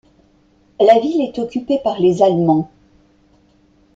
La ville est occupée par les Allemands.